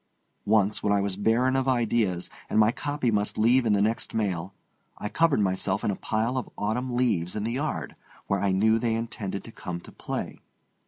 Once, when I was barren of ideas, and my copy must leave in the next mail, I covered myself in a pile of autumn leaves in the yard, where I knew they intended to come to play.